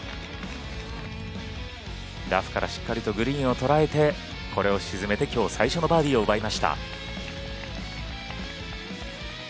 ラフからしっかりとグリーンを捉えてこれを沈めてきょう最初のバーディーを奪いました。